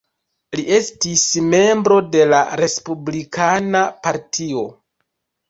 Li estis membro de la Respublikana Partio.